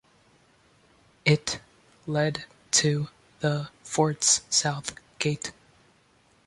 It led to the fort's south gate.